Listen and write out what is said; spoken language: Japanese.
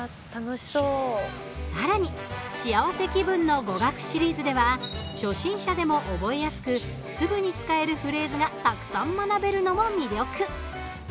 さらに「しあわせ気分のゴガク」シリーズでは初心者でも覚えやすくすぐに使えるフレーズがたくさん学べるのも魅力。